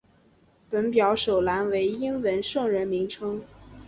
本表首栏为英文圣人名称。